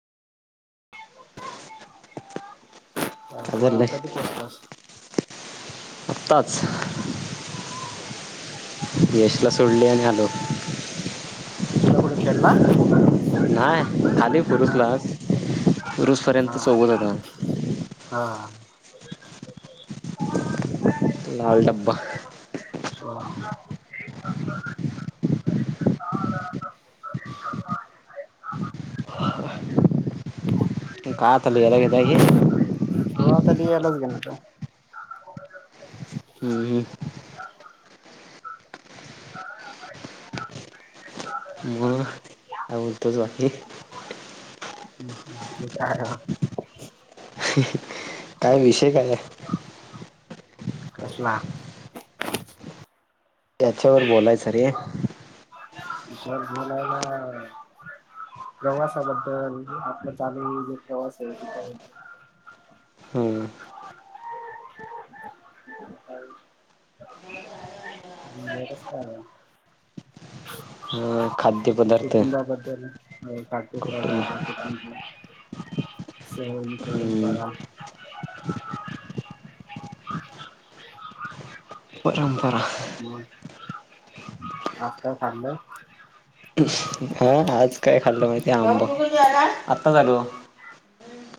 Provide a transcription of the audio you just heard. काय त्यापर चाललंय आकाातिकस [inaudible] स [inaudible] बश [inaudible] तिला सोडली आणि आलो. बसला कुठे खेडला? नाही खाली पुरुषलाच हा पुरुषपर्यंत सोबत जाताव आम्ही हा लाल ड्बा सो [inaudible] लू आहे [inaudible] काल [unintelligible] हो आता [inaudible] [unintelligible] [inaudible] हम्म हम्म. मग काय बोलतोस बाकी. हम् हम. [unintelligible] काय विषय काय कसला. त्याच्यावर बोलायचा रे [unintelligible] प्रवासाबद्दल आपला चालू ज प्रवास आहे ते काय हम्म, [unintelligible] [inaudible] हा खाद्यपदार्थ. कुटुंबाबद्दल कुटुंब [inaudible] [inaudible] हम्म, [unintelligible] [inaudible] परंपरा. ब [unintelligible] आज काय खाल्ल? ईश हा आज काय खाल्लं माहिती आंब. आत्ता आलो.